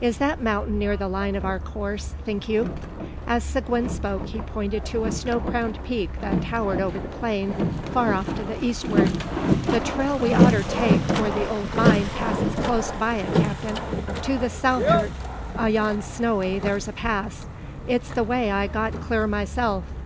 Is that mountain near the line of our course, think you?" As Seguin spoke, he pointed to a snow crowned peak that towered over the plain, far off to the eastward. "The trail we oughter take for the ole mine passes clost by it, cap'n. To the south'art o' yon snowy, thur's a pass; it's the way I got clur myself."